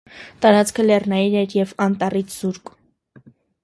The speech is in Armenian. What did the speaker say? Տարածքը լեռնային էր և անտառից զուրկ։